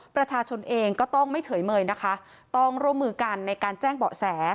ประชาชนเองก็ต้องไม่เฉยเมยนะคะต้องร่วมมือกันในการแจ้งเบาะแส